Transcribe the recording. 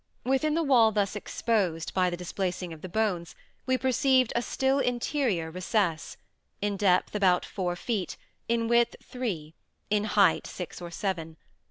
Within the wall thus exposed by the displacing of the bones, we perceived a still interior recess, in depth about four feet, in width three, in height six or seven.